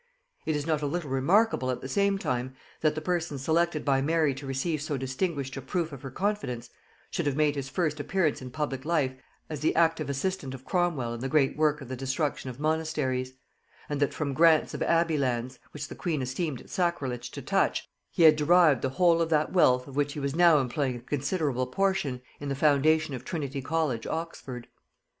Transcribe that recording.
It is not a little remarkable at the same time, that the person selected by Mary to receive so distinguished a proof of her confidence, should have made his first appearance in public life as the active assistant of Cromwel in the great work of the destruction of monasteries; and that from grants of abbey lands, which the queen esteemed it sacrilege to touch, he had derived the whole of that wealth of which he was now employing a considerable portion in the foundation of Trinity college Oxford.